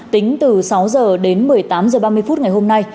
tính từ sáu giờ đến một mươi tám giờ ba mươi phút ngày hôm nay